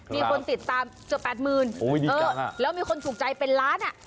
มีคนติดตามเกือบ๘๐๐๐แล้วมีคนถูกใจเป็นล้านอ่ะ